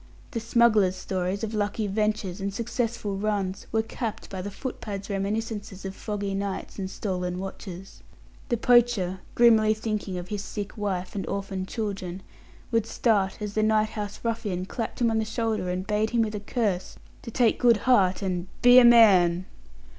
The smuggler's stories of lucky ventures and successful runs were capped by the footpad's reminiscences of foggy nights and stolen watches. The poacher, grimly thinking of his sick wife and orphaned children, would start as the night house ruffian clapped him on the shoulder and bade him, with a curse, to take good heart and "be a man."